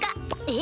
え？